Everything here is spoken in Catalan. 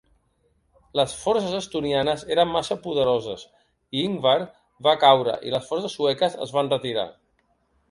Les forces estonianes eren massa poderoses, i Ingvar va caure i les forces sueques es van retirar.